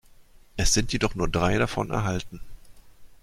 Es sind jedoch nur drei davon erhalten.